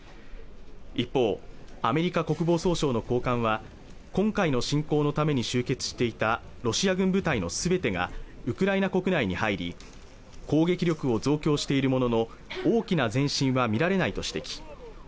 一方アメリカ国防総省の高官は今回の侵攻のために集結していたロシア軍部隊のすべてがウクライナ国内に入り攻撃力を増強しているものの大きな前進は見られないと指摘